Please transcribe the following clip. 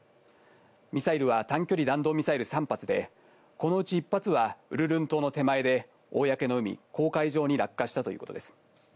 ミサイルは短距離弾道ミサイル３発で、このうち１発はウルルン島の手前で公の海、公海上に落下したということです。